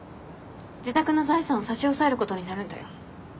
自宅の財産を差し押さえることになるんだよ。